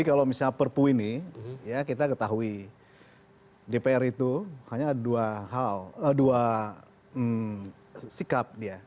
karena perpu ini kita ketahui dpr itu hanya dua sikap dia